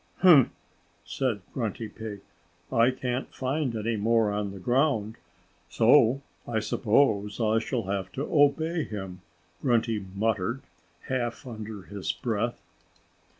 "Umph!" said Grunty Pig. "I can't find any more on the ground. So I suppose I shall have to obey him," Grunty muttered half under his breath.